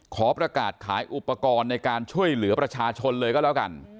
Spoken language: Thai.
ขอประกาศขายอุปกรณ์ในการช่วยเหลือประชาชนเลยก็แล้วกัน